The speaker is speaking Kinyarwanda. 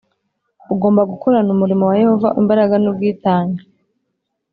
Ugomba gukorana umurimo wa Yehova imbaraga n’ubwitange